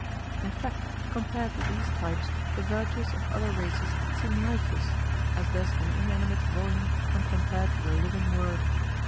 In fact, compared with these types, the virtuous of other races seem lifeless, as does an inanimate volume when compared with the living word.